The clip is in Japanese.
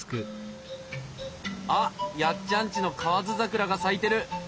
あっやっちゃんちの河津桜が咲いてる！